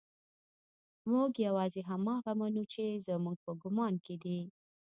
موږ يوازې هماغه منو چې زموږ په ګمان کې دي.